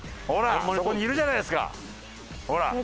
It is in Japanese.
ほらそこにいるじゃないですかほら。